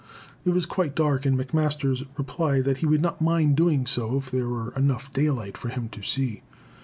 It was quite dark, and McMasters replied that he would not mind doing so if there were enough daylight for him to see.